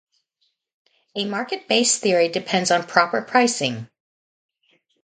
A market-based theory depends on proper pricing.